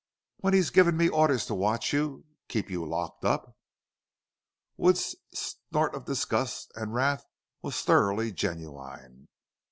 When he's given me orders to watch you keep you locked up?" Wood's snort of disgust and wrath was thoroughly genuine.